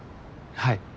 はい。